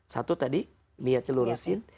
satu tadi niatnya lurusin